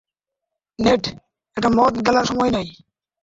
Net, এটা মদ গেলার সময় নয়।